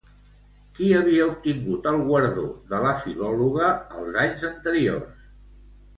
Qui havia obtingut el guardó de la filòloga els anys anteriors?